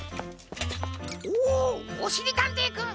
おおしりたんていくん！